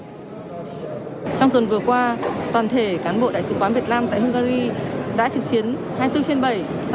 trong tuần vừa qua toàn thể cán bộ đại sứ quán việt nam tại hungary đã trực chiến hai mươi bốn trên bảy